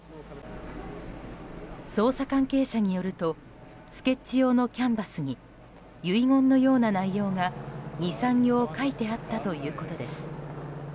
捜査関係者によるとスケッチ用のキャンバスに遺言のような内容が２３行書いてあったということです。